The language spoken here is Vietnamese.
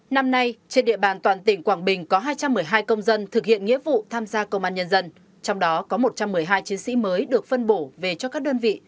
năm nay trên địa bàn toàn tỉnh quảng bình có hai trăm một mươi hai công dân thực hiện nghĩa vụ tham gia công an nhân dân trong đó có một trăm một mươi hai chiến sĩ mới được phân bổ về cho các đơn vị